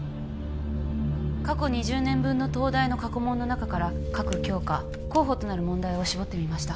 過去２０年分の東大の過去問の中から各教科候補となる問題を絞ってみました